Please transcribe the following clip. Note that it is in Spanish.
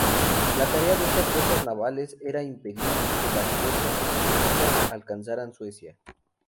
La tarea de estas fuerzas navales era impedir que las fuerzas rusas alcanzaran Suecia.